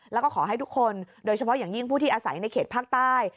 แล้วก็ขอให้ทุกคนโดยเฉพาะอย่างยิ่งผู้ที่อาศัยในเขตภาคใต้